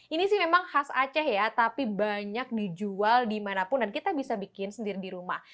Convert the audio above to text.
ini sih memang khas aceh ya tapi banyak dijual dimanapun dan kita bisa bikin sendiri di rumah